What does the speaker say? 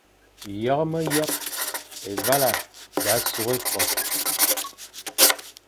Yekh myekh, Évala sa sukh ékon,